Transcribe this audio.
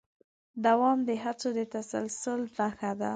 دوام د هڅو د تسلسل نښه ده.